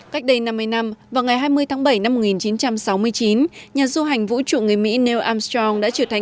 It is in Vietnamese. cách đây năm mươi năm vào ngày hai mươi tháng bảy năm một nghìn chín trăm sáu mươi chín nhà du hành vũ trụ người mỹ neo armstrong đã trở thành